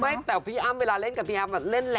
ไม่แต่พี่อ้ำเวลาเล่นกับพี่แอ๊บแบบเล่นแรงน่ะ